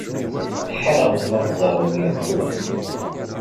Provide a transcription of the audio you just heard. Ḥareɣ melmi ara k-ẓreɣ deg Iɛekkuren.